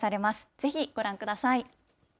ぜひご覧ください。